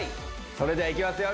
それではいきますよ